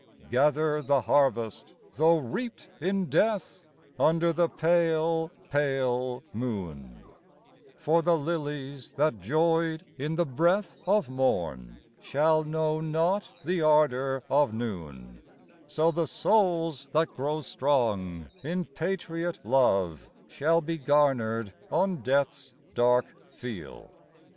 GATHER the harvest though reaped in death, Under the pale, pale moon; For the lilies that joyed in the breath of morn Shall know not the ardor of noon: So, the souls that grow strong, in patriot love, Shall be garnered on Death's dark field.